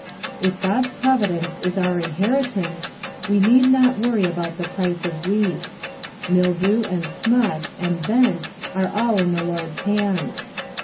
If Qod'a £rovidence is our inheritance, we need not worry about the price of wheat, [ildew, and smut, aud bent, are all in the Lord's hands.